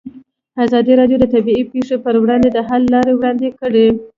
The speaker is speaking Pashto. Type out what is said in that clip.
ازادي راډیو د طبیعي پېښې پر وړاندې د حل لارې وړاندې کړي.